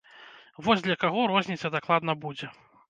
Вось для каго розніца дакладна будзе.